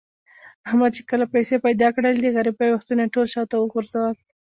احمد چې کله پیسې پیدا کړلې، د غریبۍ وختونه یې ټول شاته و غورځول.